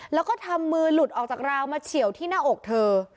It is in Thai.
แล้วก็ทำมือหลุดออกจากราวมาเฉียวที่หน้าอกเธอ